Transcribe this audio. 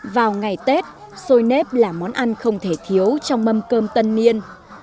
vào ngày tết sôi nếp là món ăn không thể thiếu trong mâm cơm tân niên